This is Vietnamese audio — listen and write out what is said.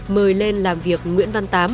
mời lên làm việc nguyễn văn tám